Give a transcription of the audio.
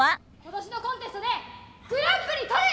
今年のコンテストでグランプリ取る。